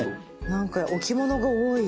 なんか置物が多い。